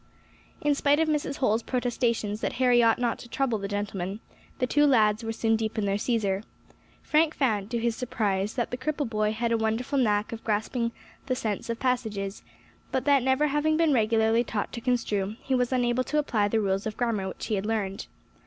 In spite of Mrs. Holl's protestations that Harry ought not to trouble the gentleman, the two lads were soon deep in their Cæsar. Frank found, to his surprise, that the cripple boy had a wonderful knack of grasping the sense of passages, but that never having been regularly taught to construe, he was unable to apply the rules of grammar which he had learned.